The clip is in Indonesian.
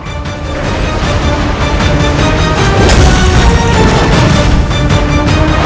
aku harus mengejar orang ini